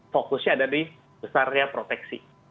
fokusnya ada di besarnya proteksi